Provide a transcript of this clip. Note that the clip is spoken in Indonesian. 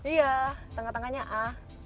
iya tengah tengahnya a